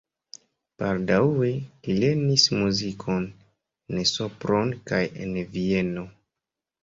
Baldaŭe li lernis muzikon en Sopron kaj en Vieno.